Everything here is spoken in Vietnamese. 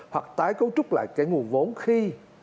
hoặc tái cấu trúc lại cái nguồn vốn khi